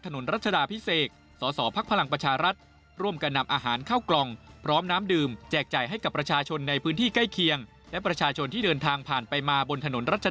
ถนนรัชดาพิเศกสศพประชารัฐ